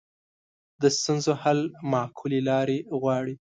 د ستونزو حل معقولې لارې غواړي